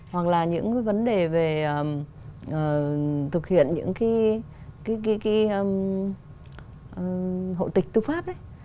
hoặc là những vấn đề về thực hiện những cái hộ tịch tư pháp ấy